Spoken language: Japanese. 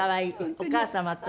お母様と。